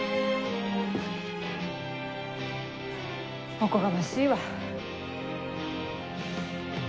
おこがましいわ。